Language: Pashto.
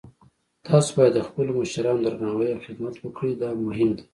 تاسو باید د خپلو مشرانو درناوی او خدمت وکړئ، دا مهم ده